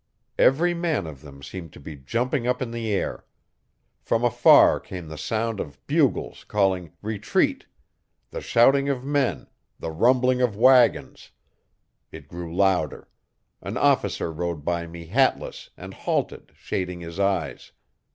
Every man of them seemed to be jumping up in the air. From afar came the sound of bugles calling 'retreat, the shouting of men, the rumbling of wagons. It grew louder. An officer rode by me hatless, and halted, shading his eyes.